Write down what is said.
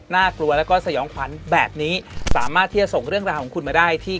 น่ากลัวแล้วก็สยองขวัญแบบนี้สามารถที่จะส่งเรื่องราวของคุณมาได้ที่